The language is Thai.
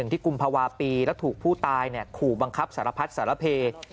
ที่กุมภาวาปีแล้วถูกผู้ตายเนี่ยขุบังคับสารพัฒน์สารเผย